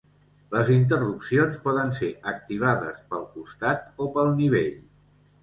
Les interrupcions poden ser activades pel costat o pel nivell.